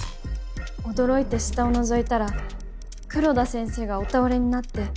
驚いて下をのぞいたら黒田先生がお倒れになって。